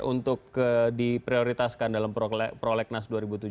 untuk diprioritaskan dalam prolegnas dua ribu tujuh belas